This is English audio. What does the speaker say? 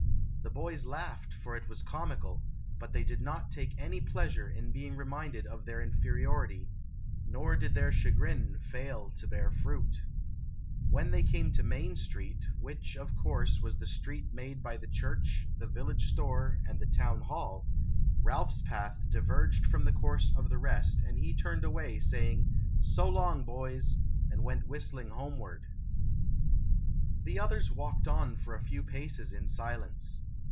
The boys laughed, for it was comical, but they did not take any pleasure in being reminded of their inferiority, nor did their chagrin fail to bear fruit. When they came to Main Street, which, of course, was the street made by the church, the village store, and the town hall, Ralph's path diverged from the course of the rest, and he turned away, saying jauntily, " So long, boys !" and went whistling home ward. LITTLE PLUNKETT S 'COUSIN 159 The others walked on for a few paces in silence.